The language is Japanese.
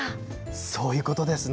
そういうことですね。